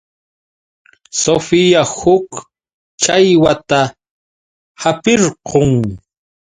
Sofía huk challwata hapirqun.